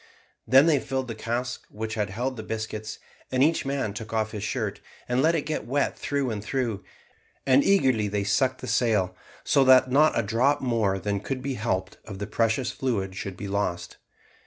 Then they filled the cask which had held the biscuits, and each man took off his shirt, and let it get wet through and through; and eagerly they sucked the sail, so that not a drop more than could be helped of the precious fluid should be lost.